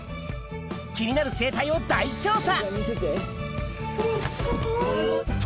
気になる生態を大調査